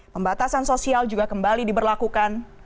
pembatasan sosial juga kembali diberlakukan